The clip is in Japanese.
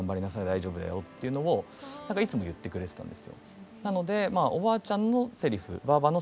大丈夫だよ」っていうのをいつも言ってくれてたんですよ。